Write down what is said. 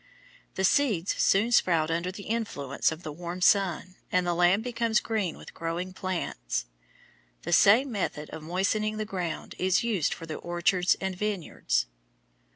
The seeds soon sprout under the influence of the warm sun, and the land becomes green with growing plants. The same method of moistening the ground is used for the orchards and vineyards.